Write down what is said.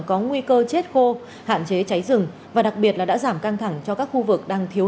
có nguy cơ chết khô hạn chế cháy rừng và đặc biệt là đã giảm căng thẳng cho các khu vực đang thiếu